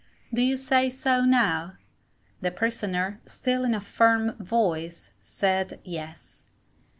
Do you say so, now? The Prisoner, still in a firm voice, said, Yes.